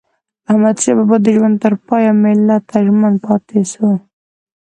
احمدشاه بابا د ژوند تر پایه ملت ته ژمن پاته سو.